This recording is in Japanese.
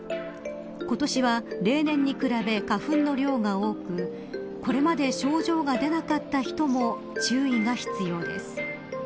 今年は例年に比べ花粉の量が多くこれまで症状が出なかった人も注意が必要です。